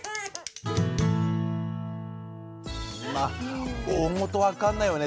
まあ大本分かんないよね